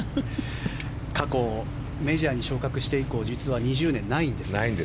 過去メジャーに昇格して以降実は２０年ないんですね。